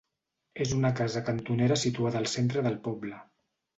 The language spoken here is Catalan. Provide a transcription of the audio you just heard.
És una casa cantonera situada al centre del poble.